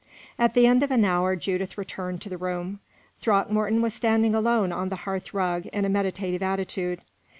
At the end of an hour, Judith returned to the room. Throckmorton was standing alone on the hearth rug, in a meditative attitude.